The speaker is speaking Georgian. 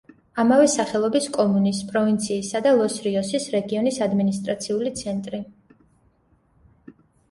ამავე სახელობის კომუნის, პროვინციისა და ლოს-რიოსის რეგიონის ადმინისტრაციული ცენტრი.